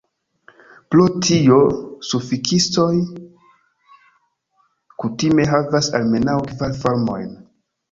Pro tio, sufiksoj kutime havas almenaŭ kvar formojn.